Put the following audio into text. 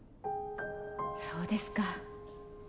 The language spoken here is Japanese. そうですか。